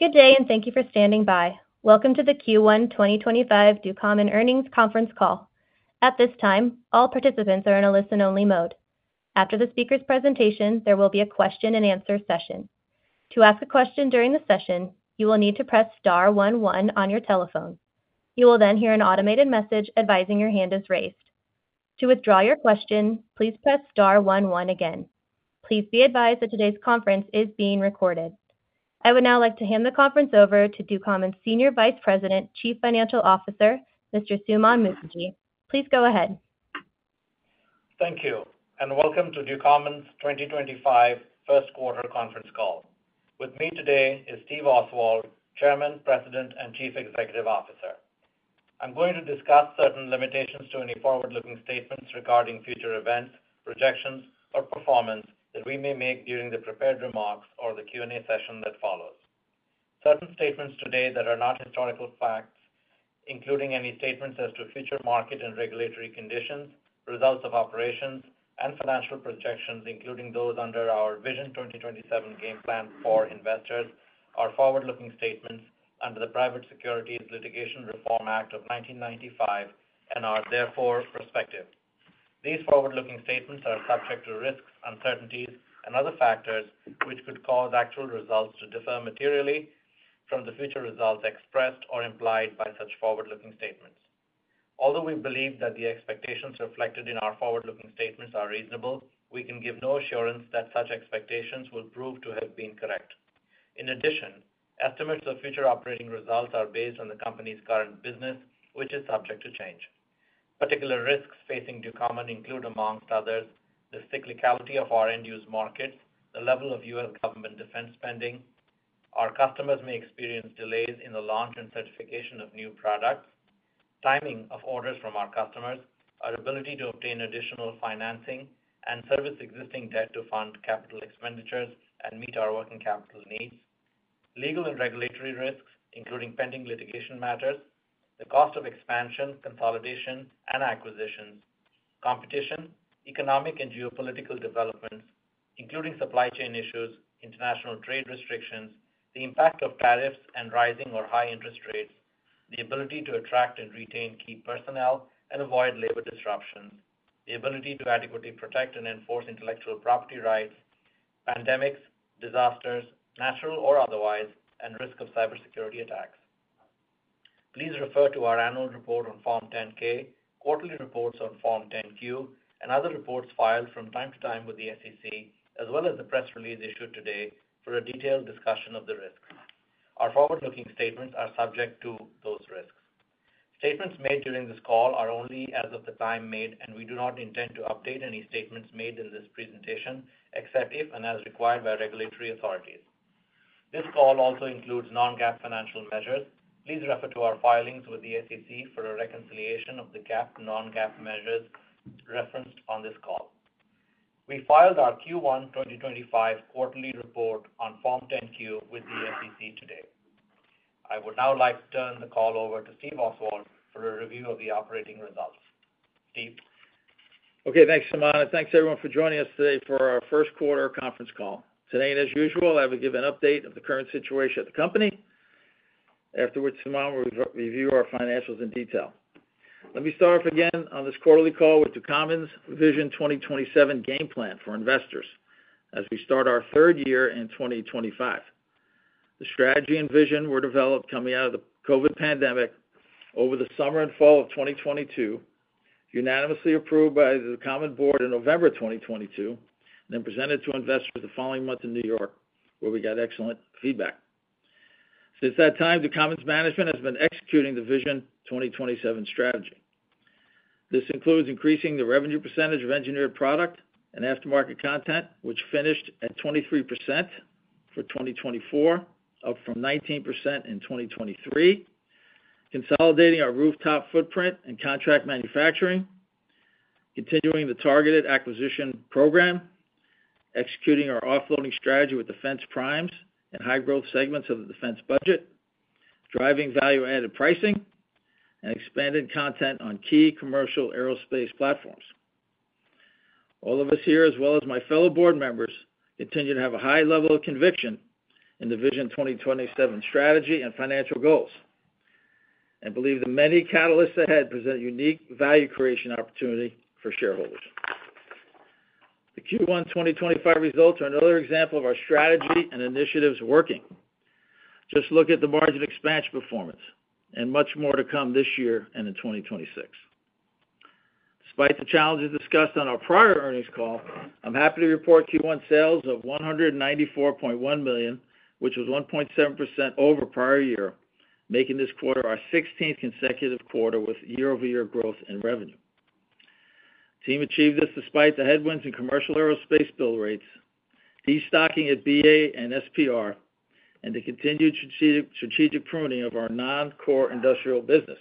Good day, and thank you for standing by. Welcome to the Q1 2025 Ducommun Earnings Conference call. At this time, all participants are in a listen-only mode. After the speaker's presentation, there will be a question-and-answer session. To ask a question during the session, you will need to press *11 on your telephone. You will then hear an automated message advising your hand is raised. To withdraw your question, please press *11 again. Please be advised that today's conference is being recorded. I would now like to hand the conference over to Ducommun's Senior Vice President, Chief Financial Officer, Mr. Suman Mookerji. Please go ahead. Thank you, and welcome to Ducommun's 2025 First Quarter Conference call. With me today is Steve Oswald, Chairman, President, and Chief Executive Officer. I'm going to discuss certain limitations to any forward-looking statements regarding future events, projections, or performance that we may make during the prepared remarks or the Q&A session that follows. Certain statements today that are not historical facts, including any statements as to future market and regulatory conditions, results of operations, and financial projections, including those under our Vision 2027 Game Plan for investors, are forward-looking statements under the Private Securities Litigation Reform Act of 1995 and are therefore prospective. These forward-looking statements are subject to risks, uncertainties, and other factors which could cause actual results to differ materially from the future results expressed or implied by such forward-looking statements. Although we believe that the expectations reflected in our forward-looking statements are reasonable, we can give no assurance that such expectations will prove to have been correct. In addition, estimates of future operating results are based on the company's current business, which is subject to change. Particular risks facing Ducommun include, amongst others, the cyclicality of our end-use markets, the level of U.S. government defense spending. Our customers may experience delays in the launch and certification of new products, timing of orders from our customers, our ability to obtain additional financing, and service existing debt to fund capital expenditures and meet our working capital needs. Legal and regulatory risks, including pending litigation matters, the cost of expansion, consolidation, and acquisitions, competition, economic and geopolitical developments, including supply chain issues, international trade restrictions, the impact of tariffs and rising or high interest rates, the ability to attract and retain key personnel and avoid labor disruptions, the ability to adequately protect and enforce intellectual property rights, pandemics, disasters, natural or otherwise, and risk of cybersecurity attacks. Please refer to our annual report on Form 10-K, quarterly reports on Form 10-Q, and other reports filed from time to time with the SEC, as well as the press release issued today for a detailed discussion of the risks. Our forward-looking statements are subject to those risks. Statements made during this call are only as of the time made, and we do not intend to update any statements made in this presentation except if and as required by regulatory authorities. This call also includes non-GAAP financial measures. Please refer to our filings with the SEC for a reconciliation of the GAAP/non-GAAP measures referenced on this call. We filed our Q1 2025 quarterly report on Form 10-Q with the SEC today. I would now like to turn the call over to Steve Oswald for a review of the operating results. Steve. Okay, thanks, Suman. Thanks, everyone, for joining us today for our first quarter conference call. Today, and as usual, I will give an update of the current situation at the company. Afterwards, Suman will review our financials in detail. Let me start off again on this quarterly call with Ducommun's Vision 2027 Game Plan for investors as we start our third year in 2025. The strategy and vision were developed coming out of the COVID pandemic over the summer and fall of 2022, unanimously approved by the Ducommun board in November 2022, and then presented to investors the following month in New York, where we got excellent feedback. Since that time, Ducommun's management has been executing the Vision 2027 strategy. This includes increasing the revenue percentage of engineered product and aftermarket content, which finished at 23% for 2024, up from 19% in 2023, consolidating our rooftop footprint and contract manufacturing, continuing the targeted acquisition program, executing our offloading strategy with defense primes and high-growth segments of the defense budget, driving value-added pricing, and expanding content on key commercial aerospace platforms. All of us here, as well as my fellow board members, continue to have a high level of conviction in the Vision 2027 strategy and financial goals, and believe the many catalysts ahead present a unique value creation opportunity for shareholders. The Q1 2025 results are another example of our strategy and initiatives working. Just look at the margin expanse performance, and much more to come this year and in 2026. Despite the challenges discussed on our prior earnings call, I'm happy to report Q1 sales of $194.1 million, which was 1.7% over prior year, making this quarter our 16th consecutive quarter with year-over-year growth in revenue. The team achieved this despite the headwinds in commercial aerospace bill rates, de-stocking at Boeing and Spirit, and the continued strategic pruning of our non-core industrial business.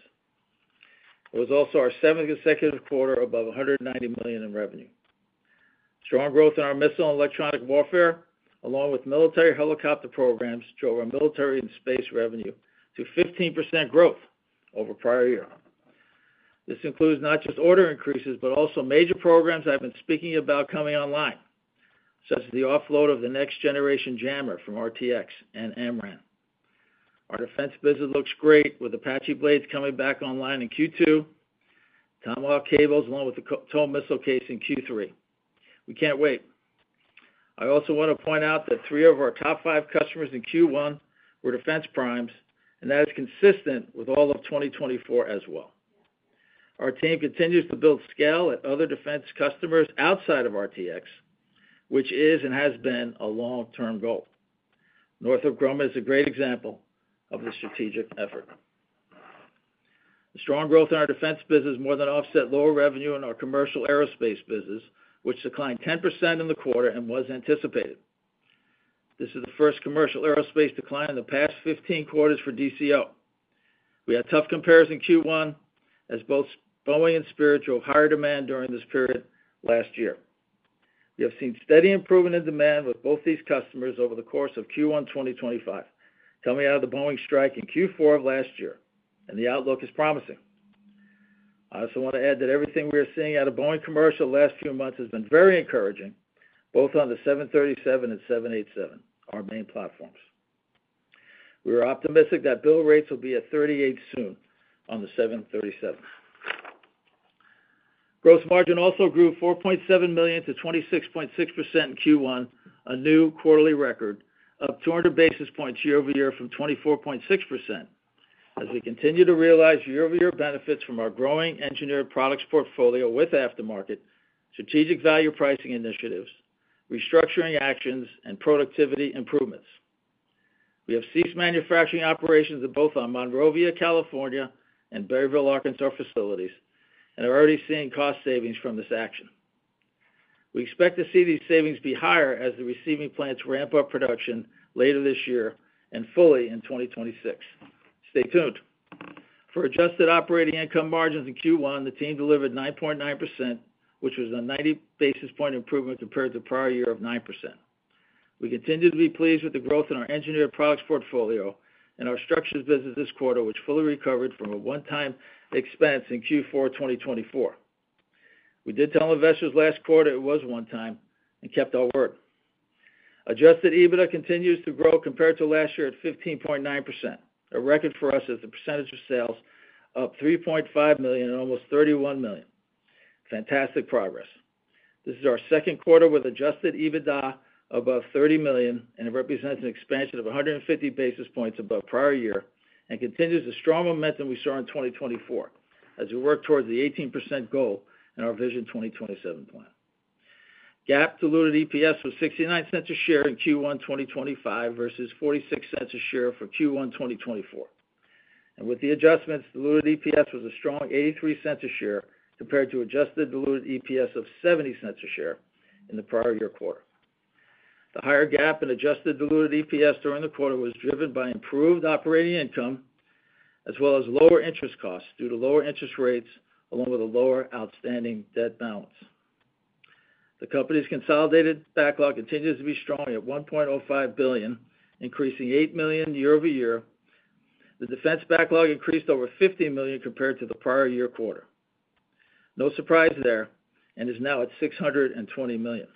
It was also our seventh consecutive quarter above $190 million in revenue. Strong growth in our missile and electronic warfare, along with military helicopter programs, drove our military and space revenue to 15% growth over prior year. This includes not just order increases, but also major programs I've been speaking about coming online, such as the offload of the Next-Generation Jammer from RTX and AMRAAM. Our defense business looks great, with Apache Blades coming back online in Q2, Tomahawk cables, along with the TOW missile case in Q3. We can't wait. I also want to point out that three of our top five customers in Q1 were defense primes, and that is consistent with all of 2024 as well. Our team continues to build scale at other defense customers outside of RTX, which is and has been a long-term goal. Northrop Grumman is a great example of the strategic effort. Strong growth in our defense business more than offset lower revenue in our commercial aerospace business, which declined 10% in the quarter and was anticipated. This is the first commercial aerospace decline in the past 15 quarters for DCO. We had a tough comparison Q1, as both Boeing and Spirit drove higher demand during this period last year. We have seen steady improvement in demand with both these customers over the course of Q1 2025. Tell me how the Boeing strike in Q4 of last year, and the outlook is promising. I also want to add that everything we are seeing out of Boeing Commercial the last few months has been very encouraging, both on the 737 and 787, our main platforms. We are optimistic that bill rates will be at 38 soon on the 737. Gross margin also grew $4.7 million to 26.6% in Q1, a new quarterly record, up 200 basis points year-over-year from 24.6%, as we continue to realize year-over-year benefits from our growing engineered products portfolio with aftermarket, strategic value pricing initiatives, restructuring actions, and productivity improvements. We have ceased manufacturing operations at both our Monrovia, California and Berryville, Arkansas facilities, and are already seeing cost savings from this action. We expect to see these savings be higher as the receiving plants ramp up production later this year and fully in 2026. Stay tuned. For adjusted operating income margins in Q1, the team delivered 9.9%, which was a 90 basis point improvement compared to the prior year of 9%. We continue to be pleased with the growth in our engineered products portfolio and our structures business this quarter, which fully recovered from a one-time expense in Q4 2024. We did tell investors last quarter it was one-time and kept our word. Adjusted EBITDA continues to grow compared to last year at 15.9%, a record for us as the percentage of sales, up $3.5 million and almost $31 million. Fantastic progress. This is our second quarter with adjusted EBITDA above $30 million, and it represents an expansion of 150 basis points above prior year and continues the strong momentum we saw in 2024 as we work towards the 18% goal in our Vision 2027 plan. GAAP diluted EPS was $0.69 a share in Q1 2025 versus $0.46 a share for Q1 2024. With the adjustments, diluted EPS was a strong $0.83 a share compared to adjusted diluted EPS of $0.70 a share in the prior year quarter. The higher GAAP and adjusted diluted EPS during the quarter was driven by improved operating income as well as lower interest costs due to lower interest rates, along with a lower outstanding debt balance. The company's consolidated backlog continues to be strong at $1.05 billion, increasing $8 million year-over-year. The defense backlog increased over $50 million compared to the prior year quarter. No surprise there, and is now at $620 million.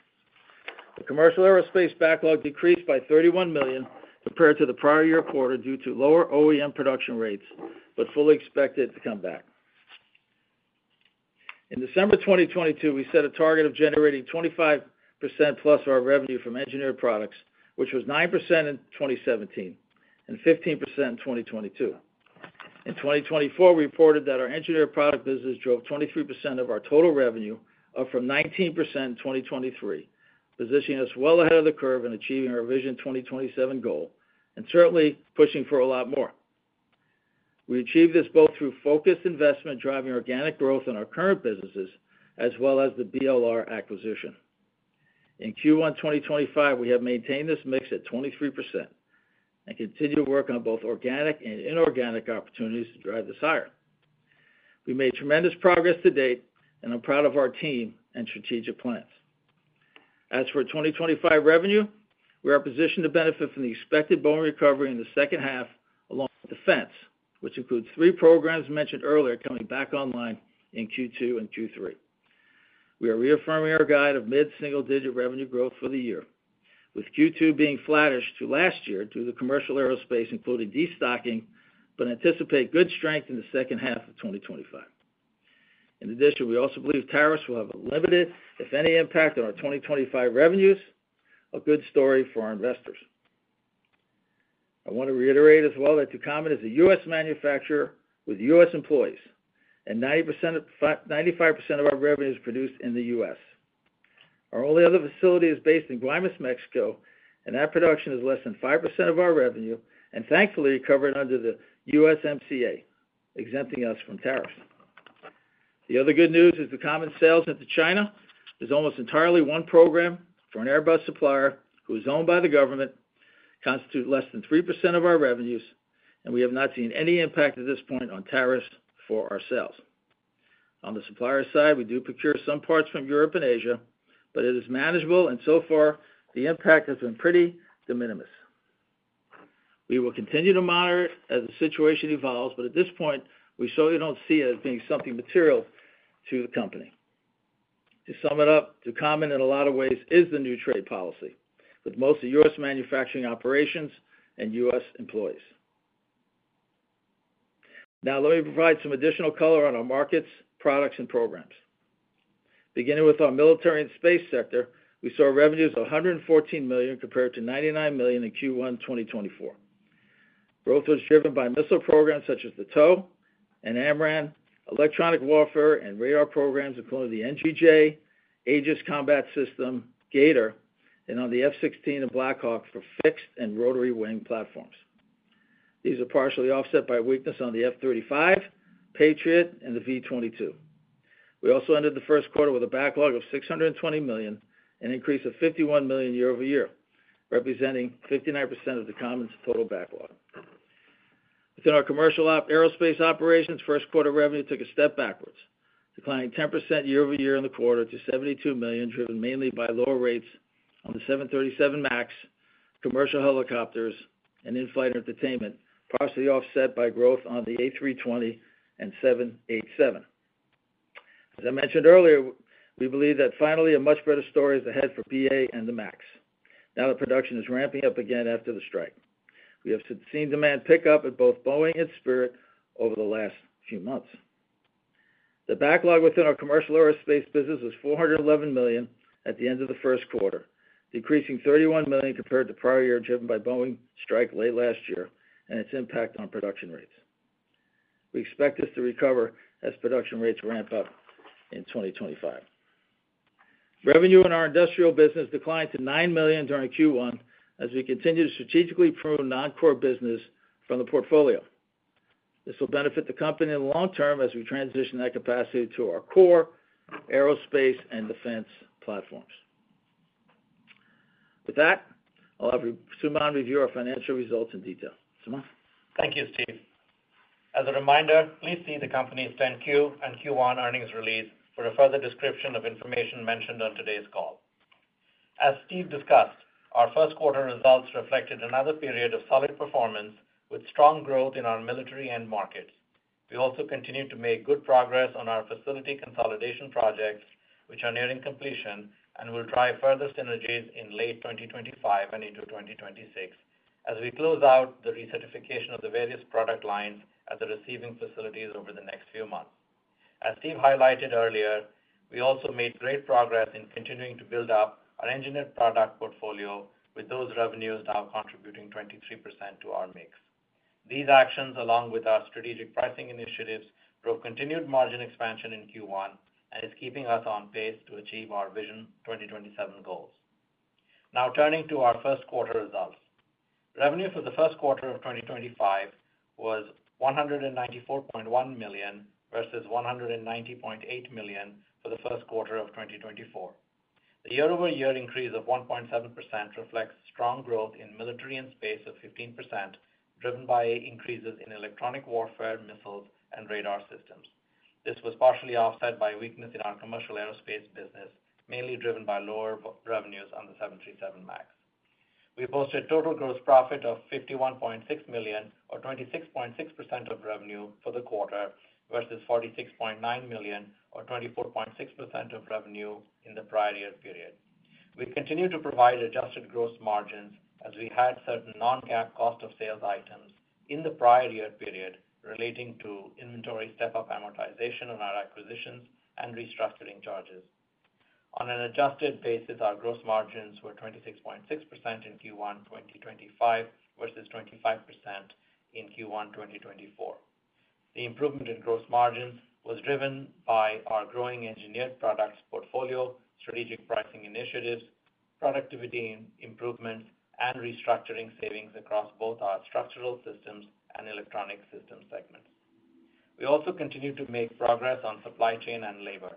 The commercial aerospace backlog decreased by $31 million compared to the prior year quarter due to lower OEM production rates, but fully expected to come back. In December 2022, we set a target of generating 25%+ of our revenue from engineered products, which was 9% in 2017 and 15% in 2022. In 2024, we reported that our engineered product business drove 23% of our total revenue, up from 19% in 2023, positioning us well ahead of the curve in achieving our Vision 2027 goal, and certainly pushing for a lot more. We achieved this both through focused investment driving organic growth in our current businesses as well as the BLR acquisition. In Q1 2025, we have maintained this mix at 23% and continue to work on both organic and inorganic opportunities to drive this higher. We made tremendous progress to date, and I'm proud of our team and strategic plans. As for 2025 revenue, we are positioned to benefit from the expected Boeing recovery in the second half, along with defense, which includes three programs mentioned earlier coming back online in Q2 and Q3. We are reaffirming our guide of mid-single-digit revenue growth for the year, with Q2 being flattish to last year due to commercial aerospace including de-stocking, but anticipate good strength in the second half of 2025. In addition, we also believe tariffs will have a limited, if any, impact on our 2025 revenues, a good story for our investors. I want to reiterate as well that Ducommun is a U.S. manufacturer with U.S. employees, and 95% of our revenue is produced in the U.S. Our only other facility is based in Guaymas, Mexico, and that production is less than 5% of our revenue, and thankfully covered under the USMCA, exempting us from tariffs. The other good news is Ducommun's sales into China is almost entirely one program for an Airbus supplier who is owned by the government, constitutes less than 3% of our revenues, and we have not seen any impact at this point on tariffs for our sales. On the supplier side, we do procure some parts from Europe and Asia, but it is manageable, and so far the impact has been pretty de minimis. We will continue to monitor it as the situation evolves, but at this point, we certainly don't see it as being something material to the company. To sum it up, Ducommun in a lot of ways is the new trade policy with most of U.S. manufacturing operations and U.S. employees. Now, let me provide some additional color on our markets, products, and programs. Beginning with our military and space sector, we saw revenues of $114 million compared to $99 million in Q1 2024. Growth was driven by missile programs such as the TOW and AMRAAM, electronic warfare, and radar programs including the NGJ, Aegis Combat System, GATOR, and on the F-16 and Black Hawk for fixed and rotary wing platforms. These are partially offset by weakness on the F-35, Patriot, and the V-22. We also ended the first quarter with a backlog of $620 million and an increase of $51 million year-over-year, representing 59% of Ducommun's total backlog. Within our commercial aerospace operations, first quarter revenue took a step backwards, declining 10% year-over-year in the quarter to $72 million, driven mainly by lower rates on the 737 MAX, commercial helicopters, and In-Flight Entertainment, partially offset by growth on the A320 and 787. As I mentioned earlier, we believe that finally a much better story is ahead for BA and the MAX. Now the production is ramping up again after the strike. We have seen demand pick up at both Boeing and Spirit over the last few months. The backlog within our commercial aerospace business was $411 million at the end of the first quarter, decreasing $31 million compared to prior year driven by Boeing's strike late last year and its impact on production rates. We expect this to recover as production rates ramp up in 2025. Revenue in our industrial business declined to $9 million during Q1 as we continue to strategically prune non-core business from the portfolio. This will benefit the company in the long term as we transition that capacity to our core, aerospace, and defense platforms. With that, I'll have Suman review our financial results in detail. Suman. Thank you, Steve. As a reminder, please see the company's 10-Q and Q1 earnings release for a further description of information mentioned on today's call. As Steve discussed, our first quarter results reflected another period of solid performance with strong growth in our military and markets. We also continue to make good progress on our facility consolidation projects, which are nearing completion and will drive further synergies in late 2025 and into 2026 as we close out the recertification of the various product lines at the receiving facilities over the next few months. As Steve highlighted earlier, we also made great progress in continuing to build up our engineered product portfolio, with those revenues now contributing 23% to our mix. These actions, along with our strategic pricing initiatives, drove continued margin expansion in Q1 and is keeping us on pace to achieve our Vision 2027 goals. Now turning to our first quarter results. Revenue for the first quarter of 2025 was $194.1 million versus $190.8 million for the first quarter of 2024. The year-over-year increase of 1.7% reflects strong growth in military and space of 15%, driven by increases in electronic warfare, missiles, and radar systems. This was partially offset by weakness in our commercial aerospace business, mainly driven by lower revenues on the 737 MAX. We posted total gross profit of $51.6 million, or 26.6% of revenue for the quarter, versus $46.9 million, or 24.6% of revenue in the prior year period. We continue to provide adjusted gross margins as we had certain non-GAAP cost of sales items in the prior year period relating to inventory step-up amortization on our acquisitions and restructuring charges. On an adjusted basis, our gross margins were 26.6% in Q1 2025 versus 25% in Q1 2024. The improvement in gross margins was driven by our growing engineered products portfolio, strategic pricing initiatives, productivity improvements, and restructuring savings across both our structural systems and electronic systems segments. We also continue to make progress on supply chain and labor.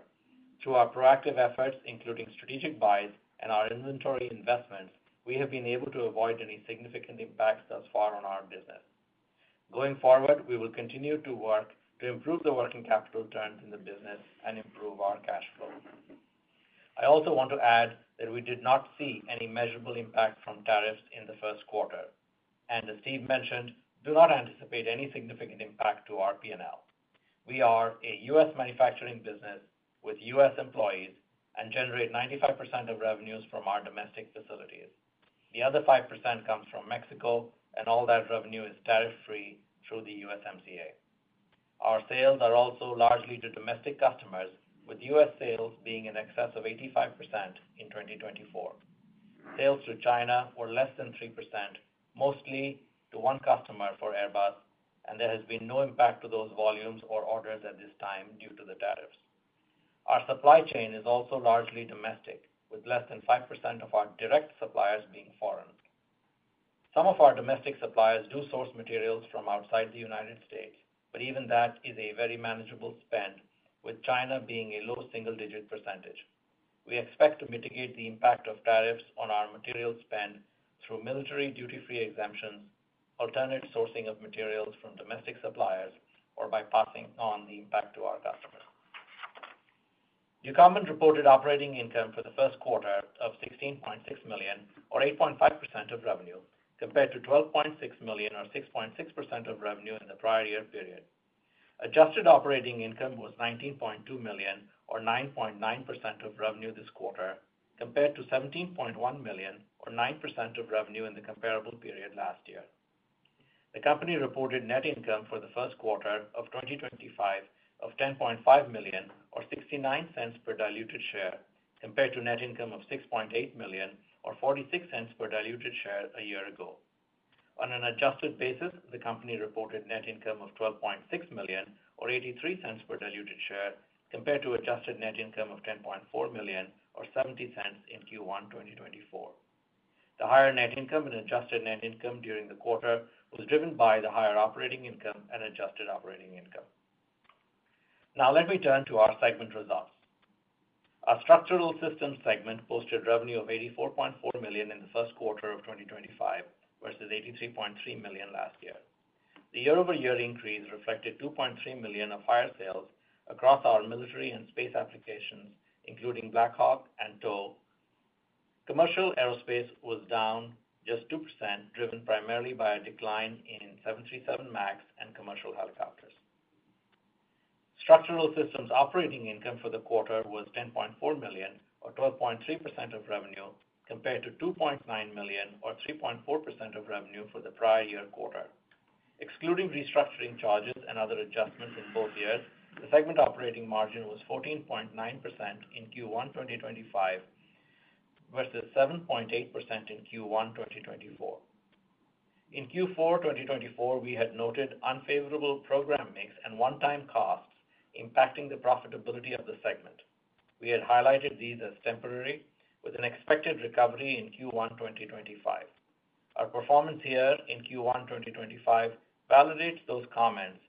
Through our proactive efforts, including strategic buys and our inventory investments, we have been able to avoid any significant impacts thus far on our business. Going forward, we will continue to work to improve the working capital returns in the business and improve our cash flow. I also want to add that we did not see any measurable impact from tariffs in the first quarter. As Steve mentioned, do not anticipate any significant impact to our P&L. We are a U.S. manufacturing business with U.S. employees and generate 95% of revenues from our domestic facilities. The other 5% comes from Mexico, and all that revenue is tariff-free through the USMCA. Our sales are also largely to domestic customers, with U.S. sales being in excess of 85% in 2024. Sales to China were less than 3%, mostly to one customer for Airbus, and there has been no impact to those volumes or orders at this time due to the tariffs. Our supply chain is also largely domestic, with less than 5% of our direct suppliers being foreign. Some of our domestic suppliers do source materials from outside the U.S., but even that is a very manageable spend, with China being a low single-digit %. We expect to mitigate the impact of tariffs on our material spend through military duty-free exemptions, alternative sourcing of materials from domestic suppliers, or by passing on the impact to our customers. Ducommun reported operating income for the first quarter of $16.6 million, or 8.5% of revenue, compared to $12.6 million, or 6.6% of revenue in the prior year period. Adjusted operating income was $19.2 million, or 9.9% of revenue this quarter, compared to $17.1 million, or 9% of revenue in the comparable period last year. The company reported net income for the first quarter of 2025 of $10.5 million, or $0.69 per diluted share, compared to net income of $6.8 million, or $0.46 per diluted share a year ago. On an adjusted basis, the company reported net income of $12.6 million, or $0.83 per diluted share, compared to adjusted net income of $10.4 million, or $0.70 in Q1 2024. The higher net income and adjusted net income during the quarter was driven by the higher operating income and adjusted operating income. Now, let me turn to our segment results. Our structural systems segment posted revenue of $84.4 million in the first quarter of 2025 versus $83.3 million last year. The year-over-year increase reflected $2.3 million of higher sales across our military and space applications, including Black Hawk and TOW. Commercial aerospace was down just 2%, driven primarily by a decline in 737 MAX and commercial helicopters. Structural systems operating income for the quarter was $10.4 million, or 12.3% of revenue, compared to $2.9 million, or 3.4% of revenue for the prior year quarter. Excluding restructuring charges and other adjustments in both years, the segment operating margin was 14.9% in Q1 2025 versus 7.8% in Q1 2024. In Q4 2024, we had noted unfavorable program mix and one-time costs impacting the profitability of the segment. We had highlighted these as temporary, with an expected recovery in Q1 2025. Our performance here in Q1 2025 validates those comments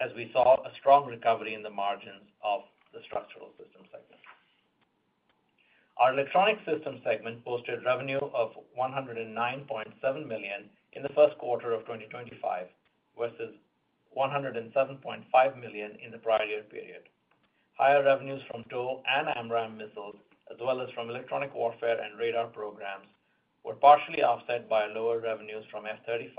as we saw a strong recovery in the margins of the structural systems segment. Our electronic systems segment posted revenue of $109.7 million in the first quarter of 2025 versus $107.5 million in the prior year period. Higher revenues from TOW and AMRAAM missiles, as well as from electronic warfare and radar programs, were partially offset by lower revenues from F-35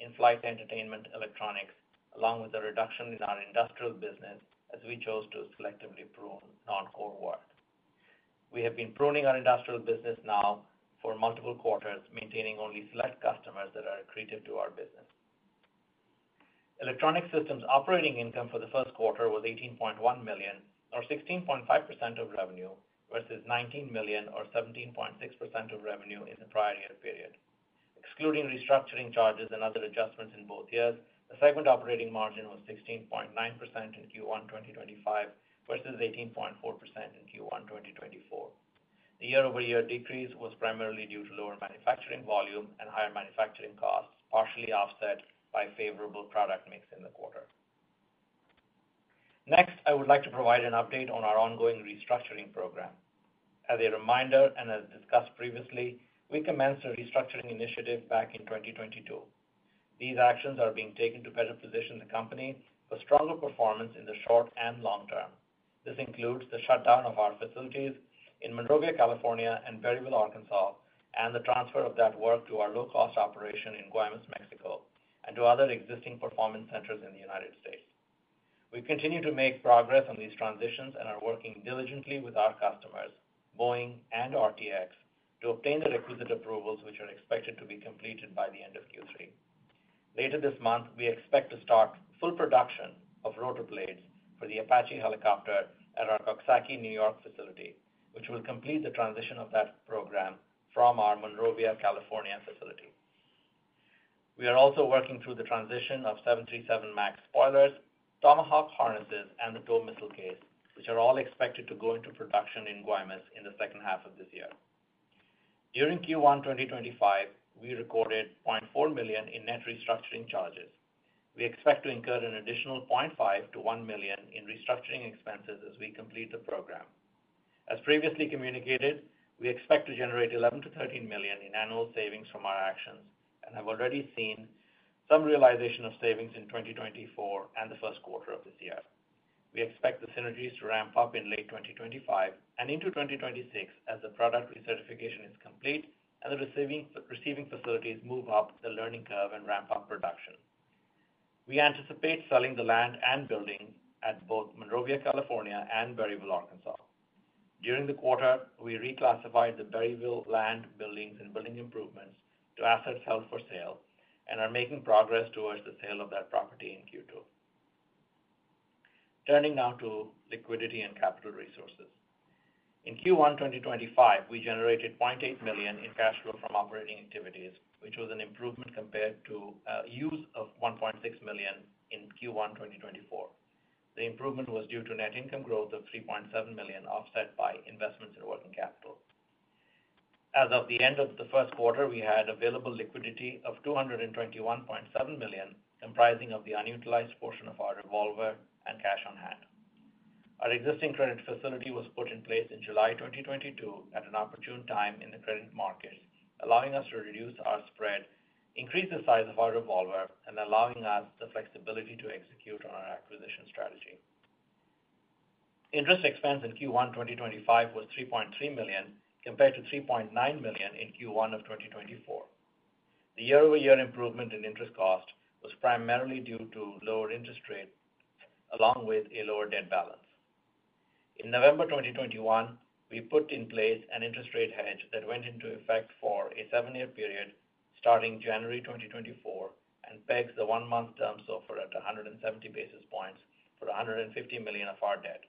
In-Flight Entertainment electronics, along with a reduction in our industrial business as we chose to selectively prune non-core work. We have been pruning our industrial business now for multiple quarters, maintaining only select customers that are accretive to our business. Electronic systems operating income for the first quarter was $18.1 million, or 16.5% of revenue, versus $19 million, or 17.6% of revenue in the prior year period. Excluding restructuring charges and other adjustments in both years, the segment operating margin was 16.9% in Q1 2025 versus 18.4% in Q1 2024. The year-over-year decrease was primarily due to lower manufacturing volume and higher manufacturing costs, partially offset by favorable product mix in the quarter. Next, I would like to provide an update on our ongoing restructuring program. As a reminder and as discussed previously, we commenced a restructuring initiative back in 2022. These actions are being taken to better position the company for stronger performance in the short and long term. This includes the shutdown of our facilities in Monrovia, California, and Berryville, Arkansas, and the transfer of that work to our low-cost operation in Guaymas, Mexico, and to other existing performance centers in the United States. We continue to make progress on these transitions and are working diligently with our customers, Boeing and RTX, to obtain the requisite approvals, which are expected to be completed by the end of Q3. Later this month, we expect to start full production of rotor blades for the Apache helicopter at our Coxsackie, New York, facility, which will complete the transition of that program from our Monrovia, California facility. We are also working through the transition of 737 MAX spoilers, Tomahawk Harnesses, and the TOW missile case, which are all expected to go into production in Guaymas, in the second half of this year. During Q1 2025, we recorded $0.4 million in net restructuring charges. We expect to incur an additional $0.5-$1 million in restructuring expenses as we complete the program. As previously communicated, we expect to generate $11-$13 million in annual savings from our actions and have already seen some realization of savings in 2024 and the first quarter of this year. We expect the synergies to ramp up in late 2025 and into 2026 as the product recertification is complete and the receiving facilities move up the learning curve and ramp up production. We anticipate selling the land and buildings at both Monrovia, California, and Berryville, Arkansas. During the quarter, we reclassified the Berryville land, buildings, and building improvements to assets held for sale and are making progress towards the sale of that property in Q2. Turning now to liquidity and capital resources. In Q1 2025, we generated $0.8 million in cash flow from operating activities, which was an improvement compared to a use of $1.6 million in Q1 2024. The improvement was due to net income growth of $3.7 million, offset by investments in working capital. As of the end of the first quarter, we had available liquidity of $221.7 million, comprising the unutilized portion of our revolver and cash on hand. Our existing credit facility was put in place in July 2022 at an opportune time in the credit markets, allowing us to reduce our spread, increase the size of our revolver, and allowing us the flexibility to execute on our acquisition strategy. Interest expense in Q1 2025 was $3.3 million compared to $3.9 million in Q1 2024. The year-over-year improvement in interest cost was primarily due to lower interest rates, along with a lower debt balance. In November 2021, we put in place an interest rate hedge that went into effect for a seven-year period starting January 2024 and pegs the one-month term SOFR at 170 basis points for $150 million of our debt.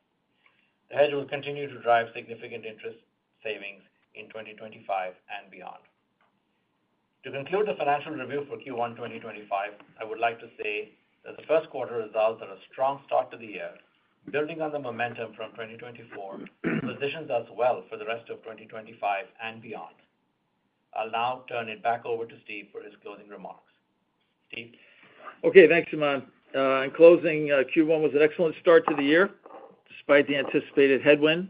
The hedge will continue to drive significant interest savings in 2025 and beyond. To conclude the financial review for Q1 2025, I would like to say that the first quarter results are a strong start to the year, building on the momentum from 2024, and positions us well for the rest of 2025 and beyond. I'll now turn it back over to Steve for his closing remarks. Steve. Okay, thanks, Suman. In closing, Q1 was an excellent start to the year despite the anticipated headwind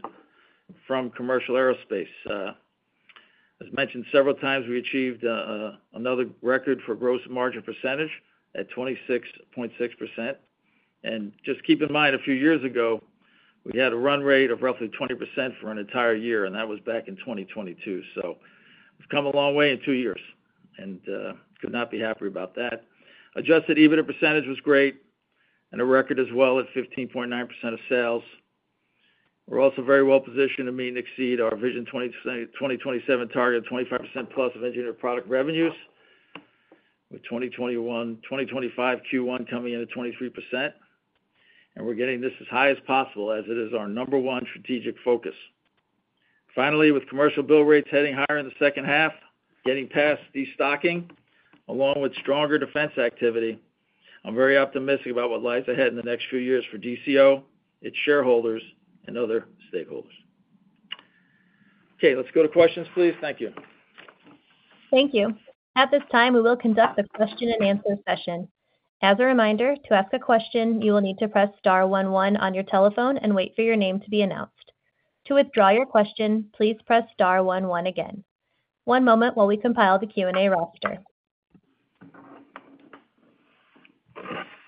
from commercial aerospace. As mentioned several times, we achieved another record for gross margin percentage at 26.6%. Just keep in mind, a few years ago, we had a run rate of roughly 20% for an entire year, and that was back in 2022. We have come a long way in two years and could not be happier about that. Adjusted EBITDA percentage was great and a record as well at 15.9% of sales. We are also very well positioned to meet and exceed our Vision 2027 target of 25%+ of engineered product revenues, with 2025 Q1 coming in at 23%. We are getting this as high as possible as it is our number one strategic focus. Finally, with commercial bill rates heading higher in the second half, getting past destocking, along with stronger defense activity, I am very optimistic about what lies ahead in the next few years for DCO, its shareholders, and other stakeholders. Okay, let's go to questions, please. Thank you. Thank you. At this time, we will conduct a question-and-answer session. As a reminder, to ask a question, you will need to press star 11 on your telephone and wait for your name to be announced. To withdraw your question, please press star 11 again. One moment while we compile the Q&A roster.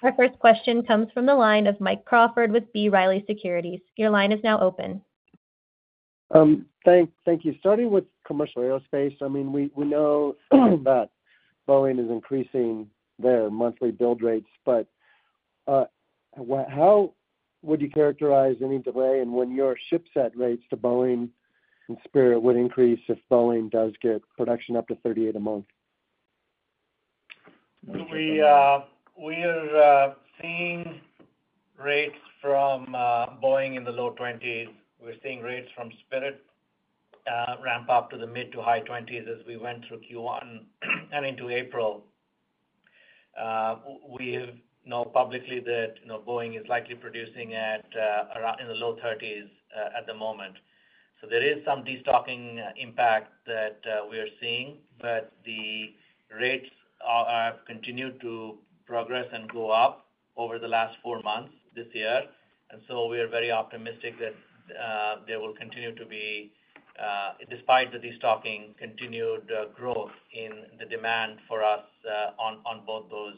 Our first question comes from the line of Mike Crawford with B. Riley Securities. Your line is now open. Thank you. Starting with commercial aerospace, I mean, we know that Boeing is increasing their monthly build rates, but how would you characterize any delay in when your ship set rates to Boeing and Spirit would increase if Boeing does get production up to 38 a month? We are seeing rates from Boeing in the low 20s. We're seeing rates from Spirit ramp up to the mid to high 20s as we went through Q1 and into April. We know publicly that Boeing is likely producing at around in the low 30s at the moment. There is some destocking impact that we are seeing, but the rates have continued to progress and go up over the last four months this year. We are very optimistic that there will continue to be, despite the destocking, continued growth in the demand for us on both those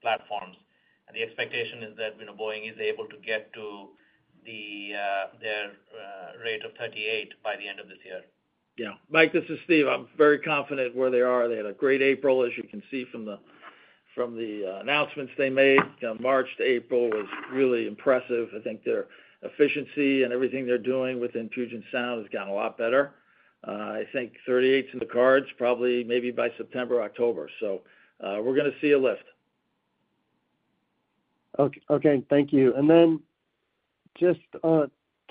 platforms. The expectation is that Boeing is able to get to their rate of 38 by the end of this year. Yeah. Mike, this is Steve. I'm very confident where they are. They had a great April, as you can see from the announcements they made. March to April was really impressive. I think their efficiency and everything they're doing within Puget Sound has gotten a lot better. I think 38's in the cards, probably maybe by September, October. We're going to see a lift. Okay. Thank you. Just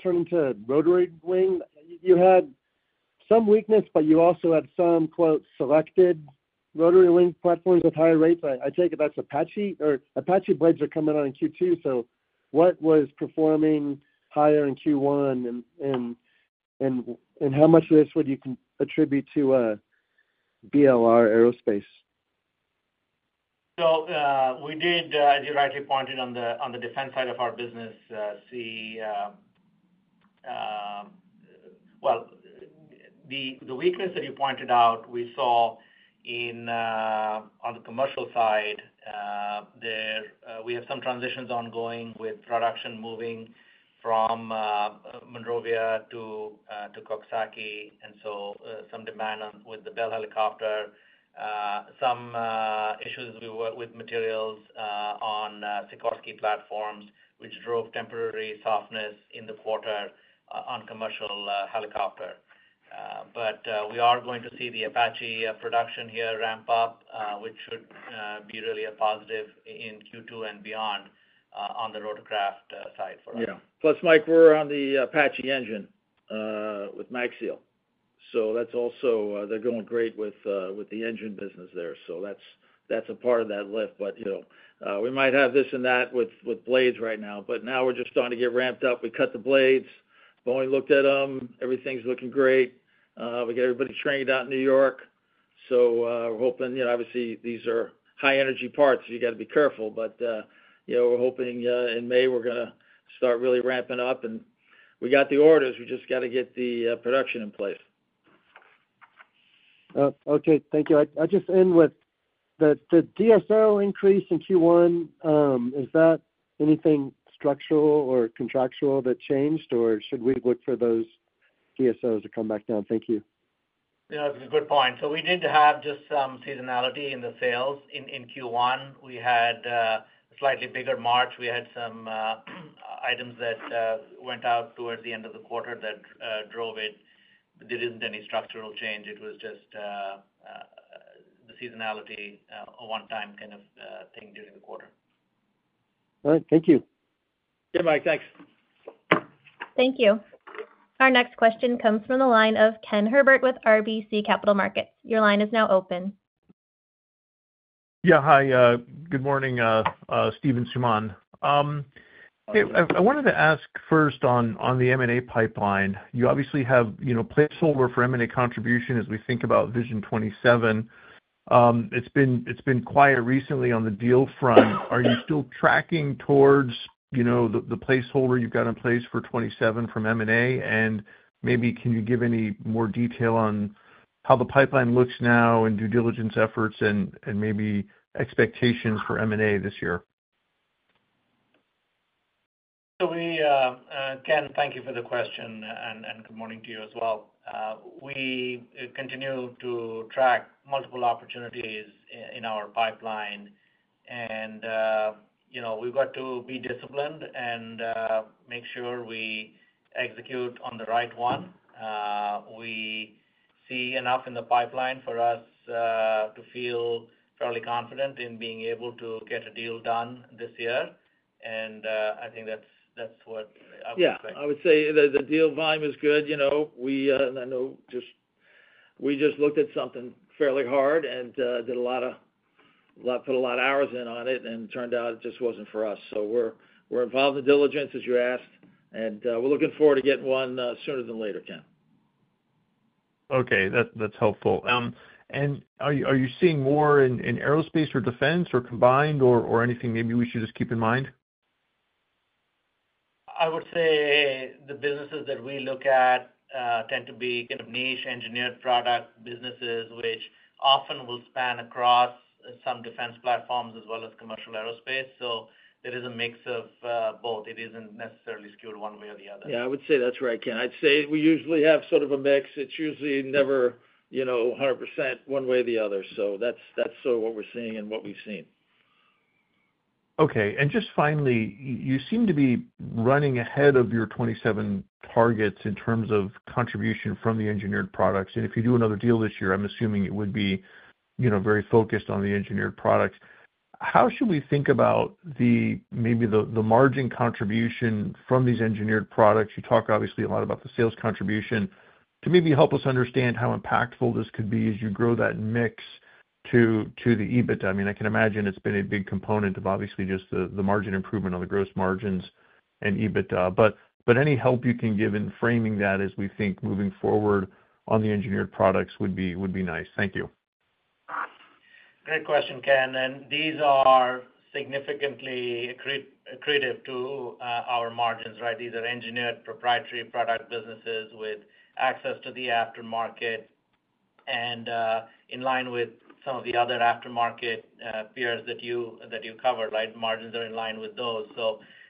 turning to rotary wing, you had some weakness, but you also had some "selected" rotary wing platforms with higher rates. I take it that's Apache or Apache Blades are coming on in Q2. What was performing higher in Q1, and how much of this would you attribute to BLR Aerospace? We did, as you rightly pointed on the defense side of our business, see the weakness that you pointed out. We saw on the commercial side there. We have some transitions ongoing with production moving from Monrovia to Coxsackie, and some demand with the Bell helicopter. Some issues we were with materials on Sikorsky platforms, which drove temporary softness in the quarter on commercial helicopter. We are going to see the Apache production here ramp up, which should be really a positive in Q2 and beyond on the rotorcraft side for us. Yeah. Plus, Mike, we're on the Apache engine with MagSeal. So that's also—they're going great with the engine business there. So that's a part of that lift. We might have this and that with blades right now, but now we're just starting to get ramped up. We cut the blades. Boeing looked at them. Everything's looking great. We got everybody trained out in New York. We're hoping, obviously, these are high-energy parts. You got to be careful. We're hoping in May we're going to start really ramping up. We got the orders. We just got to get the production in place. Okay. Thank you. I'll just end with the DSO increase in Q1. Is that anything structural or contractual that changed, or should we look for those DSOs to come back down? Thank you. Yeah, that's a good point. So we did have just some seasonality in the sales in Q1. We had a slightly bigger March. We had some items that went out towards the end of the quarter that drove it. There isn't any structural change. It was just the seasonality one-time kind of thing during the quarter. All right. Thank you. Yeah, Mike, thanks. Thank you. Our next question comes from the line of Ken Herbert with RBC Capital Markets. Your line is now open. Yeah. Hi. Good morning, Steve and Suman. I wanted to ask first on the M&A pipeline. You obviously have placeholder for M&A contribution as we think about Vision 2027. It's been quiet recently on the deal front. Are you still tracking towards the placeholder you've got in place for 2027 from M&A? And maybe can you give any more detail on how the pipeline looks now and due diligence efforts and maybe expectations for M&A this year? Thank you for the question, and good morning to you as well. We continue to track multiple opportunities in our pipeline, and we've got to be disciplined and make sure we execute on the right one. We see enough in the pipeline for us to feel fairly confident in being able to get a deal done this year. I think that's what I would expect. Yeah. I would say the deal volume is good. I know we just looked at something fairly hard and did a lot of, put a lot of hours in on it, and it turned out it just wasn't for us. We're involved in diligence, as you asked, and we're looking forward to getting one sooner than later, Ken. Okay. That's helpful. Are you seeing more in aerospace or defense or combined or anything maybe we should just keep in mind? I would say the businesses that we look at tend to be kind of niche engineered product businesses, which often will span across some defense platforms as well as commercial aerospace. There is a mix of both. It isn't necessarily skewed one way or the other. Yeah. I would say that's right, Ken. I'd say we usually have sort of a mix. It's usually never 100% one way or the other. That's sort of what we're seeing and what we've seen. Okay. Just finally, you seem to be running ahead of your 2027 targets in terms of contribution from the engineered products. If you do another deal this year, I'm assuming it would be very focused on the engineered products. How should we think about maybe the margin contribution from these engineered products? You talk obviously a lot about the sales contribution. To maybe help us understand how impactful this could be as you grow that mix to the EBITDA, I mean, I can imagine it's been a big component of obviously just the margin improvement on the gross margins and EBITDA. Any help you can give in framing that as we think moving forward on the engineered products would be nice. Thank you. Great question, Ken. These are significantly accretive to our margins, right? These are engineered proprietary product businesses with access to the aftermarket and in line with some of the other aftermarket peers that you cover, right? Margins are in line with those.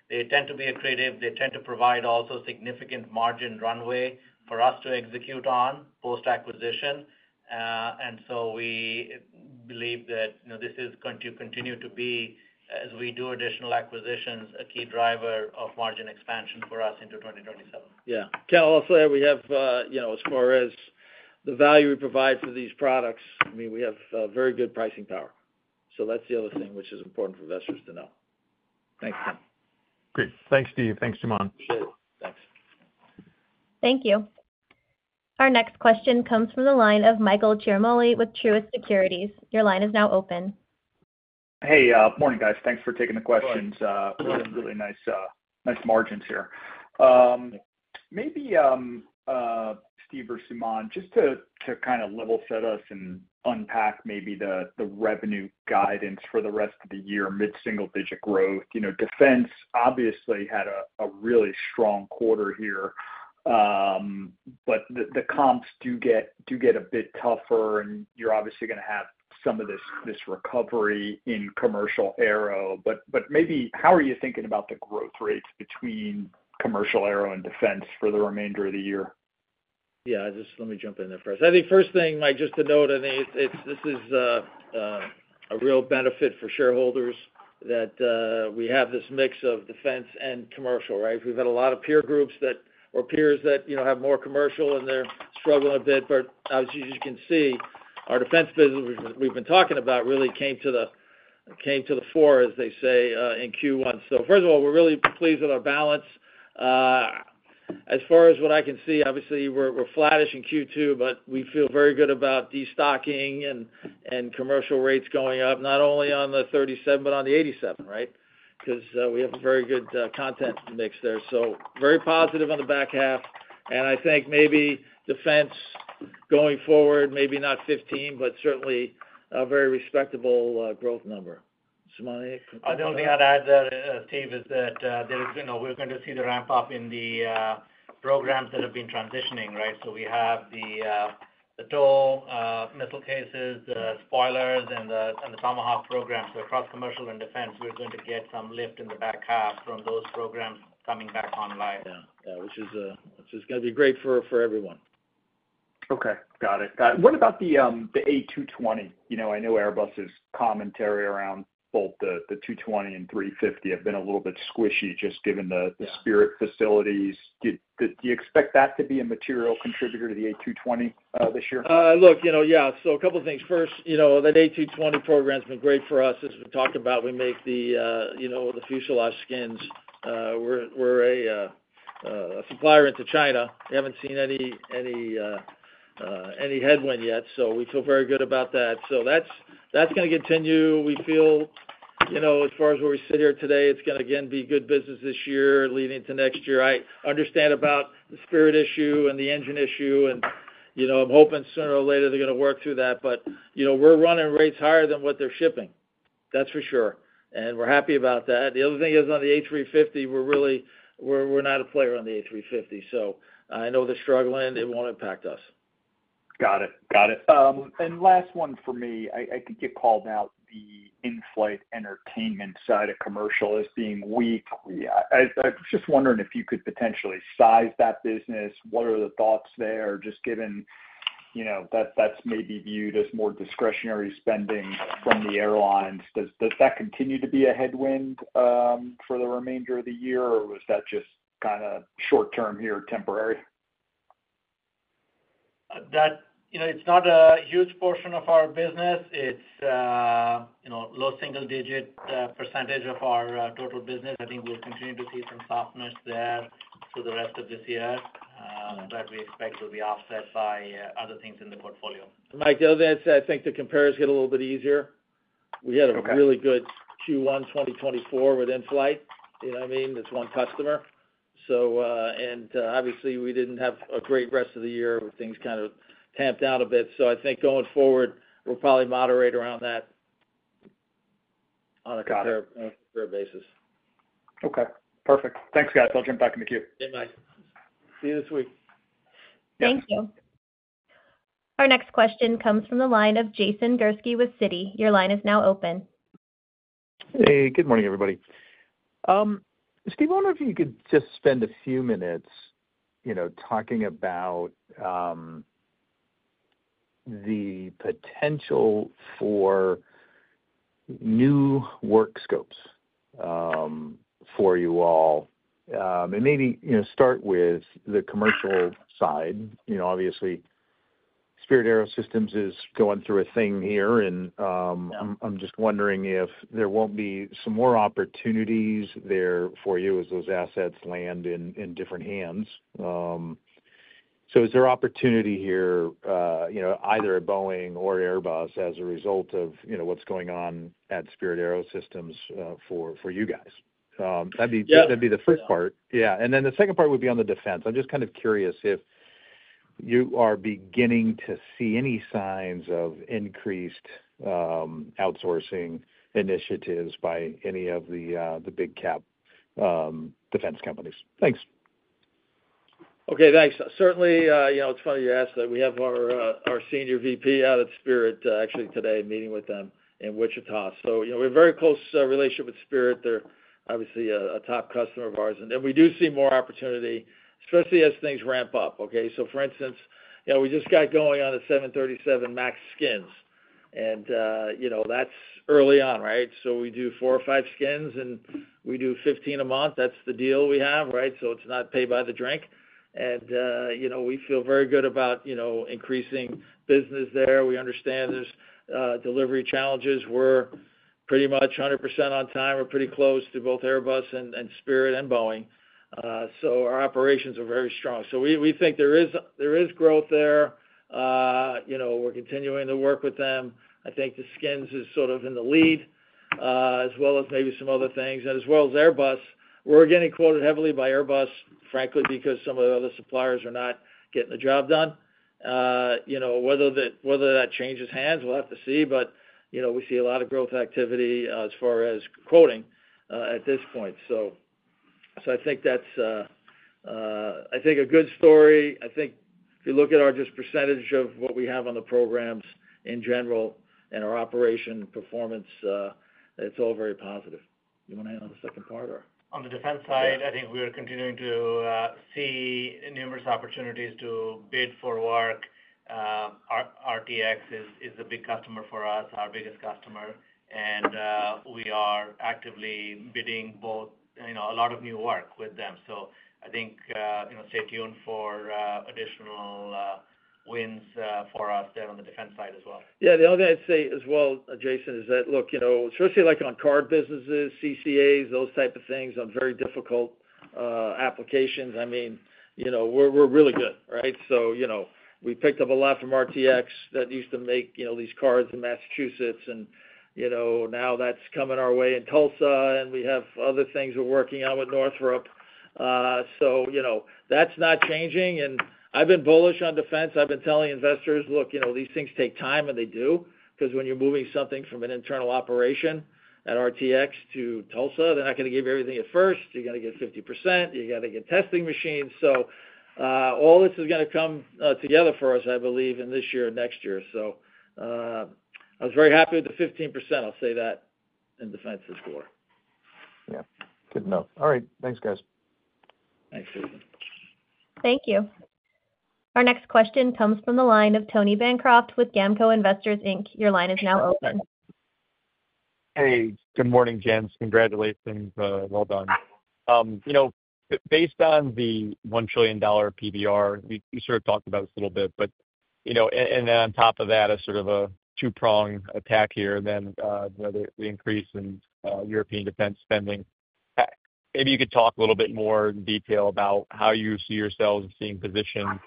They tend to be creative. They tend to provide also significant margin runway for us to execute on post-acquisition. We believe that this is going to continue to be, as we do additional acquisitions, a key driver of margin expansion for us into 2027. Yeah. Ken, I'll also add we have, as far as the value we provide for these products, I mean, we have very good pricing power. That's the other thing which is important for investors to know. Thanks, Ken. Great. Thanks, Steve. Thanks, Suman. Appreciate it. Thanks. Thank you. Our next question comes from the line of Michael Ciarmoli with Truist Securities. Your line is now open. Hey, morning, guys. Thanks for taking the questions. Really nice margins here. Maybe Steve or Suman, just to kind of level set us and unpack maybe the revenue guidance for the rest of the year, mid-single-digit growth. Defense obviously had a really strong quarter here, but the comps do get a bit tougher, and you're obviously going to have some of this recovery in commercial aero. Maybe how are you thinking about the growth rates between commercial aero and defense for the remainder of the year? Yeah. Let me jump in there first. I think first thing, Mike, just to note, I think this is a real benefit for shareholders that we have this mix of defense and commercial, right? We've had a lot of peer groups or peers that have more commercial, and they're struggling a bit. As you can see, our defense business, which we have been talking about, really came to the fore, as they say, in Q1. First of all, we are really pleased with our balance. As far as what I can see, obviously, we are flattish in Q2, but we feel very good about destocking and commercial rates going up, not only on the 737 MAX but on the 787, right? Because we have a very good content mix there. Very positive on the back half. I think maybe defense going forward, maybe not 15%, but certainly a very respectable growth number. Suman? I think I would add to that, Steve, that we are going to see the ramp up in the programs that have been transitioning, right? We have the TOW missile cases, the spoilers, and the Tomahawk programs. So across commercial and defense, we're going to get some lift in the back half from those programs coming back online. Yeah. Yeah. Which is going to be great for everyone. Okay. Got it. What about the A220? I know Airbus's commentary around both the 220 and 350 have been a little bit squishy just given the Spirit facilities. Do you expect that to be a material contributor to the A220 this year? Look, yeah. So a couple of things. First, that A220 program has been great for us. As we've talked about, we make the fuselage skins. We're a supplier into China. We haven't seen any headwind yet, so we feel very good about that. So that's going to continue. We feel as far as where we sit here today, it's going to, again, be good business this year leading into next year. I understand about the Spirit issue and the engine issue, and I'm hoping sooner or later they're going to work through that. We're running rates higher than what they're shipping. That's for sure. We're happy about that. The other thing is on the A350, we're not a player on the A350. I know they're struggling. It won't impact us. Got it. Got it. Last one for me. I think it called out the In-Flight entertainment side of commercial as being weak. I was just wondering if you could potentially size that business. What are the thoughts there? Just given that that's maybe viewed as more discretionary spending from the airlines, does that continue to be a headwind for the remainder of the year, or is that just kind of short-term here, temporary? It's not a huge portion of our business. It's a low single-digit % of our total business. I think we'll continue to see some softness there for the rest of this year, but we expect it will be offset by other things in the portfolio. Mike, the other thing is I think the comparison got a little bit easier. We had a really good Q1 2024 with in-flight. You know what I mean? That's one customer. Obviously, we didn't have a great rest of the year with things kind of tamped out a bit. I think going forward, we'll probably moderate around that on a comparative basis. Okay. Perfect. Thanks, guys. I'll jump back in the queue. Yeah, Mike. See you this week. Thank you. Our next question comes from the line of Jason Gursky with Citi. Your line is now open. Hey. Good morning, everybody. Steve, I wonder if you could just spend a few minutes talking about the potential for new work scopes for you all. Maybe start with the commercial side. Obviously, Spirit AeroSystems is going through a thing here, and I'm just wondering if there will not be some more opportunities there for you as those assets land in different hands. Is there opportunity here either at Boeing or Airbus as a result of what is going on at Spirit AeroSystems for you guys? That would be the first part. Yeah. The second part would be on the defense. I'm just kind of curious if you are beginning to see any signs of increased outsourcing initiatives by any of the big-cap defense companies. Thanks. Okay. Thanks. Certainly, it is funny you asked that. We have our Senior Vice President out at Spirit actually today meeting with them in Wichita. We have a very close relationship with Spirit. They're obviously a top customer of ours. We do see more opportunity, especially as things ramp up, okay? For instance, we just got going on the 737 MAX skins. That's early on, right? We do four or five skins, and we do 15 a month. That's the deal we have, right? It's not pay by the drink. We feel very good about increasing business there. We understand there's delivery challenges. We're pretty much 100% on time. We're pretty close to both Airbus and Spirit and Boeing. Our operations are very strong. We think there is growth there. We're continuing to work with them. I think the skins is sort of in the lead as well as maybe some other things. As well as Airbus, we're getting quoted heavily by Airbus, frankly, because some of the other suppliers are not getting the job done. Whether that changes hands, we'll have to see. We see a lot of growth activity as far as quoting at this point. I think that's a good story. I think if you look at our percentage of what we have on the programs in general and our operation performance, it's all very positive. You want to handle the second part, or? On the defense side, I think we're continuing to see numerous opportunities to bid for work. RTX is a big customer for us, our biggest customer. We are actively bidding both a lot of new work with them. I think stay tuned for additional wins for us there on the defense side as well. Yeah. The only thing I'd say as well, Jason, is that look, especially on card businesses (CCAs) those type of things on very difficult applications, I mean, we're really good, right? We picked up a lot from RTX that used to make these cards in Massachusetts. Now that's coming our way in Tulsa. We have other things we're working on with Northrop. That's not changing. I've been bullish on defense. I've been telling investors, "Look, these things take time, and they do." When you're moving something from an internal operation at RTX to Tulsa, they're not going to give you everything at first. You're going to get 50%. You're going to get testing machines. All this is going to come together for us, I believe, in this year and next year. I was very happy with the 15%. I'll say that in defense this quarter. Yeah. Good to know. All right. Thanks, guys. Thanks, Steven. Thank you. Our next question comes from the line of Tony Bancroft with GAMCO Investors. Your line is now open. Hey. Good morning, Gents. Congratulations. Well done. Based on the $1 trillion PBR, we sort of talked about this a little bit. But on top of that, a sort of a two-pronged attack here, then the increase in European defense spending. Maybe you could talk a little bit more in detail about how you see yourselves being positioned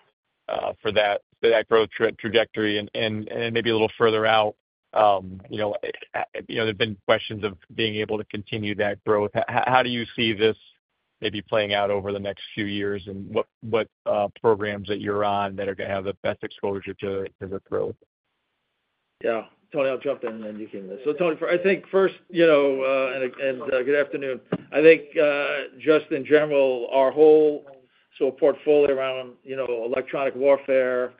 for that growth trajectory and maybe a little further out. There have been questions of being able to continue that growth. How do you see this maybe playing out over the next few years and what programs that you're on that are going to have the best exposure to the growth? Yeah. Tony, I'll jump in, and then you can. So Tony, I think first, and good afternoon. I think just in general, our whole sort of portfolio around electronic warfare,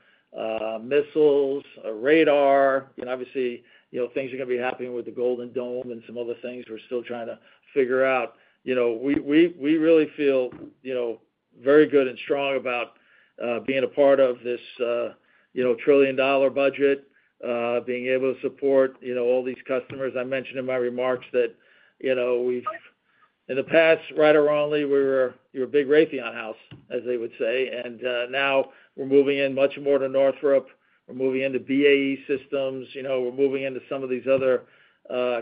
missiles, radar, obviously, things are going to be happening with the Golden Dome and some other things we're still trying to figure out. We really feel very good and strong about being a part of this trillion-dollar budget, being able to support all these customers. I mentioned in my remarks that in the past, right or wrongly, we were a big Raytheon house, as they would say. And now we're moving in much more to Northrop. We're moving into BAE Systems. We're moving into some of these other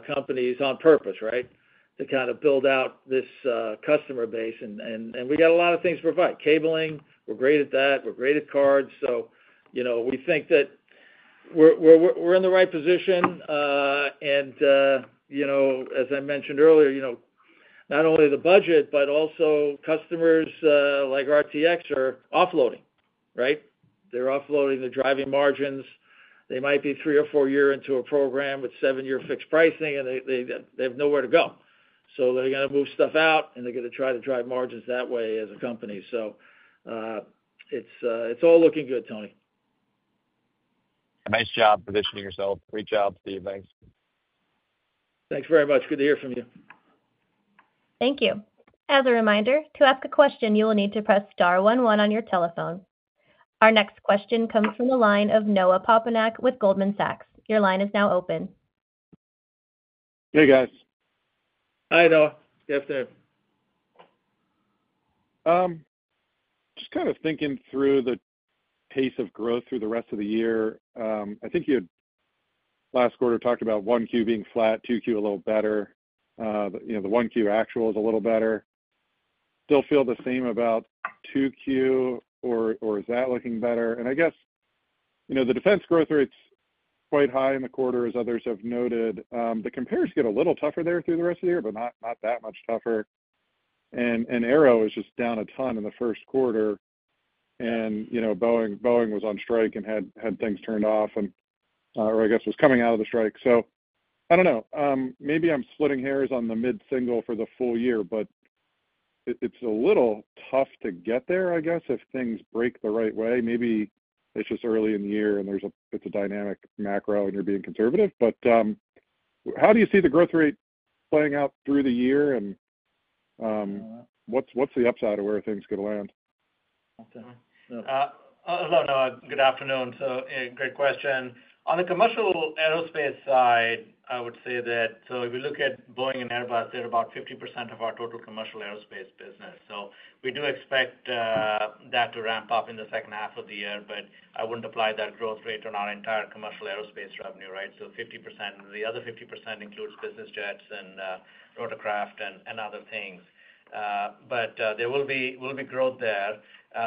companies on purpose, right, to kind of build out this customer base. And we got a lot of things to provide. Cabling, we're great at that. We're great at cards. We think that we're in the right position. As I mentioned earlier, not only the budget, but also customers like RTX are offloading, right? They're offloading, driving margins. They might be three or four years into a program with seven-year fixed pricing, and they have nowhere to go. They're going to move stuff out, and they're going to try to drive margins that way as a company. It's all looking good, Tony. Nice job positioning yourself. Great job, Steve. Thanks. Thanks very much. Good to hear from you. Thank you. As a reminder, to ask a question, you will need to press star 11 on your telephone. Our next question comes from the line of Noah Poponak with Goldman Sachs. Your line is now open. Hey, guys. Hi, Noah. Good afternoon. Just kind of thinking through the pace of growth through the rest of the year, I think you had last quarter talked about 1Q being flat, 2Q a little better, the 1Q actual is a little better. Still feel the same about 2Q, or is that looking better? I guess the defense growth rate's quite high in the quarter, as others have noted. The comparison got a little tougher there through the rest of the year, but not that much tougher. Arrow is just down a ton in the first quarter. Boeing was on strike and had things turned off, or I guess was coming out of the strike. I do not know. Maybe I'm splitting hairs on the mid-single for the full year, but it's a little tough to get there, I guess, if things break the right way. Maybe it's just early in the year and it's a dynamic macro and you're being conservative. How do you see the growth rate playing out through the year? What's the upside of where things could land? Hello, Noah. Good afternoon. Great question. On the commercial aerospace side, I would say that if you look at Boeing and Airbus, they're about 50% of our total commercial aerospace business. We do expect that to ramp up in the second half of the year, but I wouldn't apply that growth rate on our entire commercial aerospace revenue, right? 50%. The other 50% includes business jets and rotorcraft and other things. There will be growth there.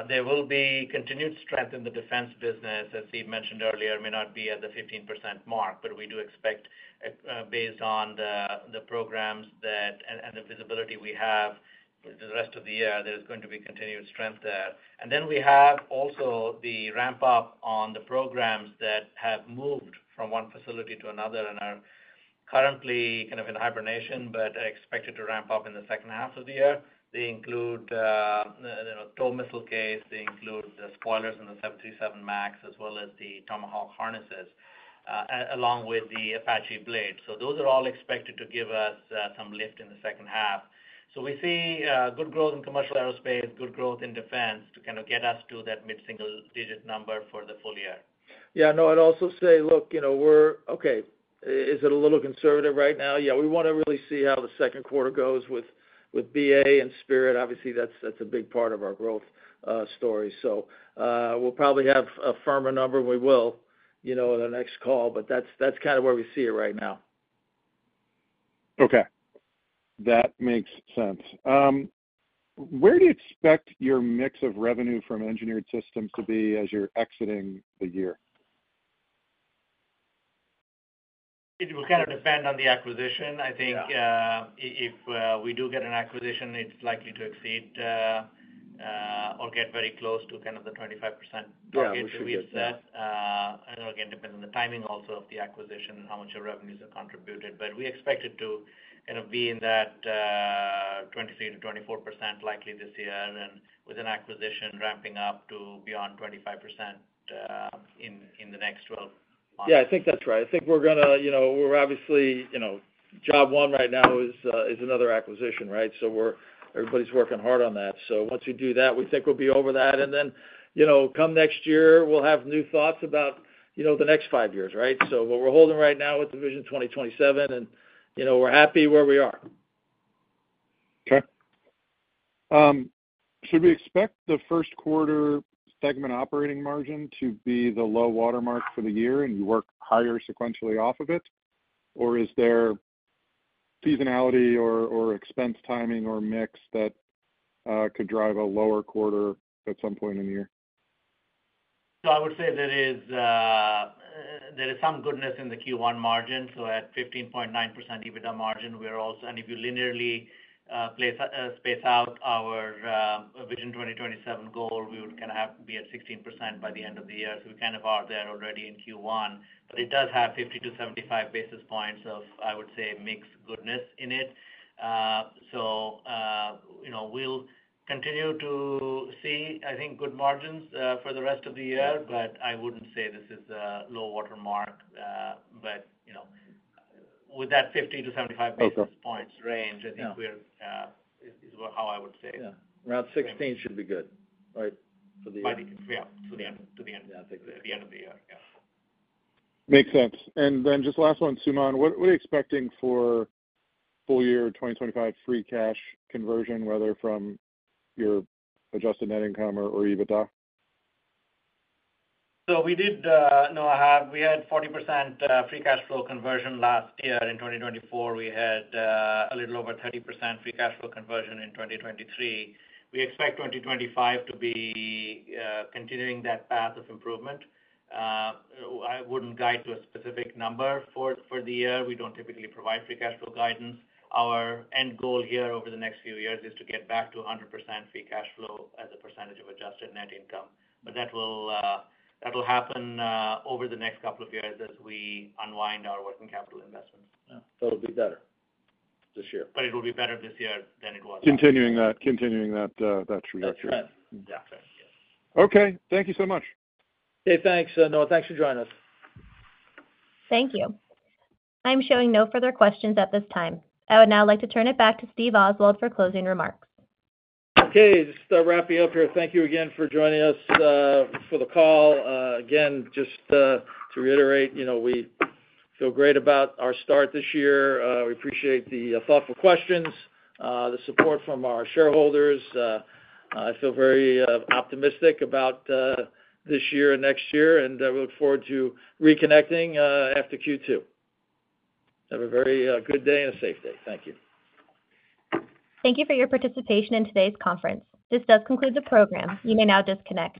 There will be continued strength in the defense business, as Steve mentioned earlier. It may not be at the 15% mark, but we do expect, based on the programs and the visibility we have for the rest of the year, there's going to be continued strength there. We have also the ramp-up on the programs that have moved from one facility to another and are currently kind of in hibernation but are expected to ramp up in the second half of the year. They include the TOW missile case. They include the spoilers in the 737 MAX as well as the Tomahawk Harnesses along with the Apache Blade. Those are all expected to give us some lift in the second half. We see good growth in commercial aerospace, good growth in defense to kind of get us to that mid-single digit number for the full year. Yeah. No, I'd also say, look, we're okay. Is it a little conservative right now? Yeah. We want to really see how the second quarter goes with Boeing and Spirit. Obviously, that's a big part of our growth story. We'll probably have a firmer number, and we will in the next call. That's kind of where we see it right now. Okay. That makes sense. Where do you expect your mix of revenue from engineered products to be as you're exiting the year? It will kind of depend on the acquisition. I think if we do get an acquisition, it's likely to exceed or get very close to the 25% target that we set. Again, it depends on the timing also of the acquisition and how much of revenues are contributed. We expect it to kind of be in that 23%-24% likely this year and with an acquisition ramping up to beyond 25% in the next 12 months. Yeah. I think that's right. I think we're going to, we're obviously, job one right now is another acquisition, right? So everybody's working hard on that. Once we do that, we think we'll be over that. Then come next year, we'll have new thoughts about the next five years, right? What we're holding right now with Vision 2027, and we're happy where we are. Okay. Should we expect the first quarter segment operating margin to be the low watermark for the year and you work higher sequentially off of it? Is there seasonality or expense timing or mix that could drive a lower quarter at some point in the year? I would say there is some goodness in the Q1 margin. At 15.9% EBITDA margin, we're also, and if you linearly space out our Vision 2027 goal, we would kind of be at 16% by the end of the year. We kind of are there already in Q1. It does have 50-75 basis points of, I would say, mixed goodness in it. We'll continue to see, I think, good margins for the rest of the year. I wouldn't say this is a low watermark. With that 50-75 basis points range, I think we're, how I would say it, yeah. Around 16% should be good, right, for the year? Yeah. To the end. To the end of the year. Yeah. Makes sense. And then just last one, Suman. What are you expecting for full year 2025 free cash conversion, whether from your adjusted net income or EBITDA? We did know we had 40% free cash flow conversion last year. In 2024, we had a little over 30% free cash flow conversion in 2023. We expect 2025 to be continuing that path of improvement. I would not guide to a specific number for the year. We do not typically provide free cash flow guidance. Our end goal here over the next few years is to get back to 100% free cash flow as a percentage of adjusted net income. That will happen over the next couple of years as we unwind our working capital investments. Yeah. That will be better this year. It will be better this year than it was. Continuing that trajectory. That is right. That is right. Yes. Okay. Thank you so much. Hey, thanks. Noah, thanks for joining us. Thank you. I'm showing no further questions at this time. I would now like to turn it back to Steve Oswald for closing remarks. Okay. Just wrapping up here. Thank you again for joining us for the call. Again, just to reiterate, we feel great about our start this year. We appreciate the thoughtful questions, the support from our shareholders. I feel very optimistic about this year and next year. We look forward to reconnecting after Q2. Have a very good day and a safe day. Thank you. Thank you for your participation in today's conference. This does conclude the program. You may now disconnect.